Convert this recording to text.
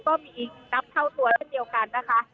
ก็มีอีกนับเท่าตัวเช่นเดียวกันนะคะ